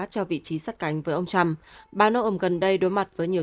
cho vị trí sắt cánh với ông trump ba noem gần đây đối mặt với nhiều